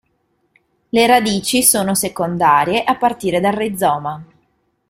Le radici sono secondarie a partire dal rizoma.